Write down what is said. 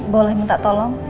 boleh minta tolong